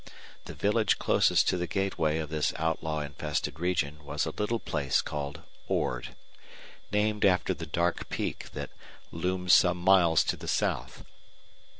The village closest to the gateway of this outlaw infested region was a little place called Ord, named after the dark peak that loomed some miles to the south.